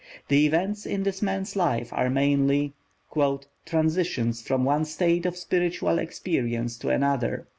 The events in this man's life are mainly "transitions from one state of spiritual experience to another."